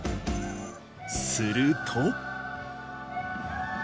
すると。